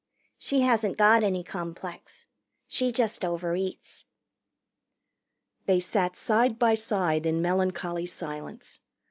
She hasn't got any complex. She just overeats." They sat side by side in melancholy silence.